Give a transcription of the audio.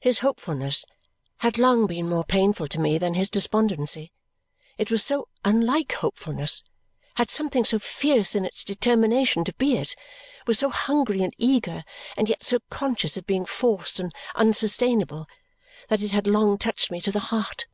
His hopefulness had long been more painful to me than his despondency; it was so unlike hopefulness, had something so fierce in its determination to be it, was so hungry and eager, and yet so conscious of being forced and unsustainable that it had long touched me to the heart.